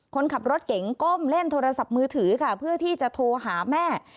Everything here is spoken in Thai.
คนขับรถเก๋งก้มเล่นโทรศัพท์มือถือค่ะเพื่อที่จะโทรหาแม่